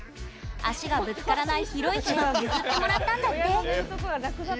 足がぶつからない広い部屋を譲ってもらったんだって。